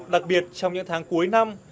đặc biệt trong những tháng cuối năm